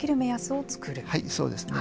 そうですね。